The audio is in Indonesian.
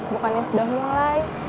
bukannya sudah mulai